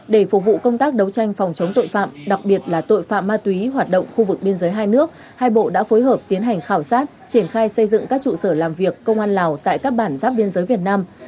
để phục vụ công tác đấu tranh phòng chống tội phạm đặc biệt là tội phạm ma túy hoạt động khu vực biên giới hai nước hai bộ đã phối hợp tiến hành khảo sát triển khai xây dựng các trụ sở làm việc công an lào tại các bản giáp biên giới việt nam